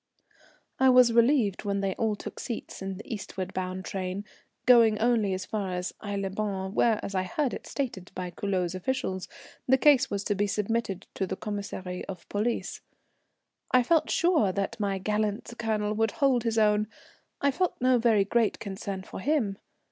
I was relieved when they all took seats in the eastward bound train, going only as far as Aix les Bains, where, as I heard it stated by the Culoz officials, the case was to be submitted to the Commissary of Police. I felt sure that my gallant Colonel would hold his own, I felt no very great concern for him.